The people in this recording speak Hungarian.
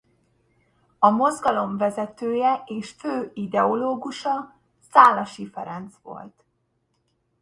A mozgalom vezetője és fő ideológusa Szálasi Ferenc volt.